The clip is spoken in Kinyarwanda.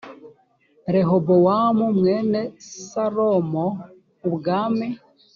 rehobowamu mwene salomo ubwami